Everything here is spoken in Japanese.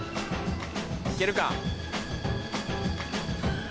行けるか？